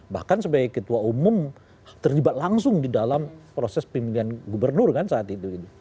bahkan sebagai ketua umum terlibat langsung di dalam proses pemilihan gubernur kan saat itu